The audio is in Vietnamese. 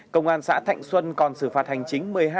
công an xã thạnh xuân còn xử phạt hành chính